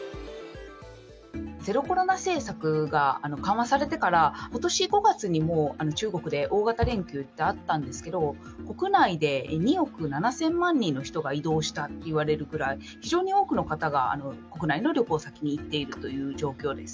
ゼロコロナ政策が緩和されてから、ことし５月にも中国で大型連休ってあったんですけど、国内で２億７０００万人の人が移動したといわれるぐらい、非常に多くの方が国内の旅行先に行っているという状況です。